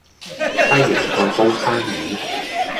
西洋菜煲生魚